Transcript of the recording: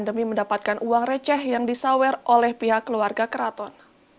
demi mendapatkan uang receh yang disawer oleh pihak keluarga keraton